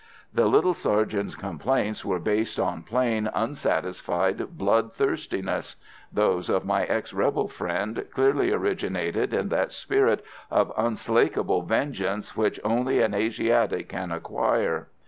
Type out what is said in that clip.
The little sergeant's complaints were based on plain, unsatisfied bloodthirstiness; those of my ex rebel friend clearly originated in that spirit of unslakable vengeance which only an Asiatic can acquire.